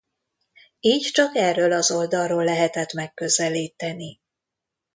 Így csak erről az oldalról lehetett megközelíteni.